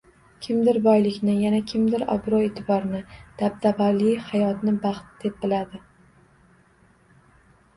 Kimdir boylikni, yana kimdir obro‘-e’tiborni, dabdabali hayotni baxt deb biladi.